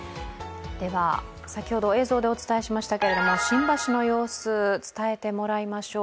先ほど、映像でお伝えしましたけれど、新橋の様子、伝えてもらいましょう。